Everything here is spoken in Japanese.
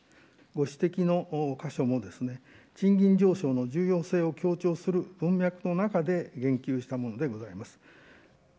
ご指摘の箇所も賃金上昇の重要性を強調する文脈の中で言及したものでございます。